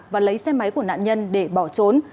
và lấy xe máy của nạn nhân để bỏ trốn